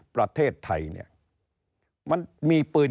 ประเทศไทยมันมีปืน